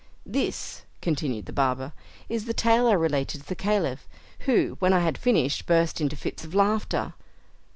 "This," continued the barber, "is the tale I related to the Caliph, who, when I had finished, burst into fits of laughter.